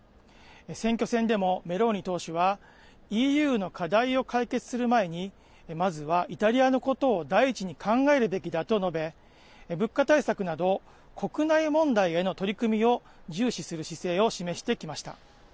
選挙戦でもメローニ党首はＥＵの課題を解決する前にまずは、イタリアのことを第一に考えるべきだと述べ物価対策など国内問題への取り組みを重視する姿勢を示してきました。